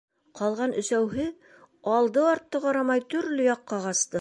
Ҡалған өсәүһе алды-артты ҡарамай төрлө яҡҡа ҡасты.